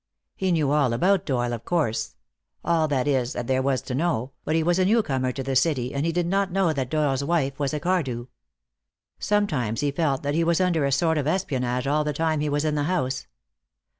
He knew all about Doyle, of course; all, that is, that there was to know, but he was a newcomer to the city, and he did not know that Doyle's wife was a Cardew. Sometimes he had felt that he was under a sort of espionage all the time he was in the house.